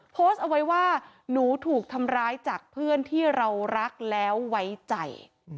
โพสต์เอาไว้ว่าหนูถูกทำร้ายจากเพื่อนที่เรารักแล้วไว้ใจ